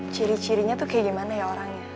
ciri cirinya tuh kayak gimana ya orangnya